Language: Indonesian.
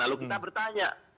lalu kita bertanya